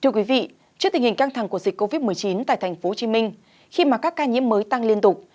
trước tình hình căng thẳng của dịch covid một mươi chín tại tp hcm khi mà các ca nhiễm mới tăng liên tục